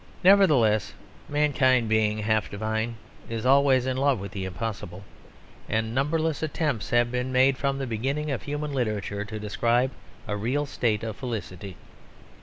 Nevertheless, mankind being half divine is always in love with the impossible, and numberless attempts have been made from the beginning of human literature to describe a real state of felicity.